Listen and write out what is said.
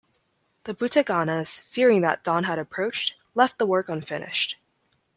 The Bhuthaganas, fearing that dawn had approached, left the work unfinished.